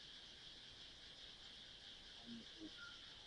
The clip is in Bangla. সৃষ্টির আদিতে একমাত্র আকাশই থাকে।